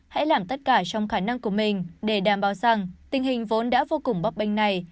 hãy làm tất cả trong khả năng của mình để đảm bảo rằng tình hình vốn đã vô cùng bắp bênh này